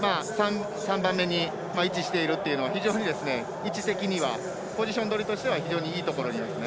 ３番目に位置しているのは非常に位置的にはポジション取りとしては非常にいいところですね。